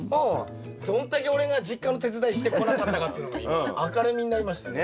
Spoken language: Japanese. どんだけ俺が実家の手伝いしてこなかったかっていうのが今明るみになりましたね。